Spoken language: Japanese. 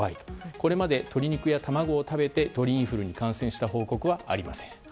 これまで鶏肉や卵を食べて鳥インフルに感染した報告はありません。